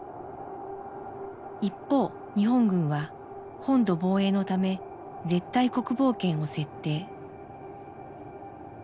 一方日本軍は本土防衛のため絶対国防圏を設定。